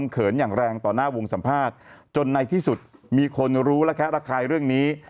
เข้าใจใช่ไหม